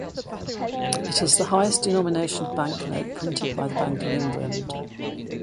It is the highest denomination of banknote printed by the Bank of England.